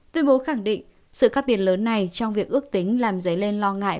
tuyên bố khẳng định sự khác biệt lớn này trong việc ước tính làm dấy lên lo ngại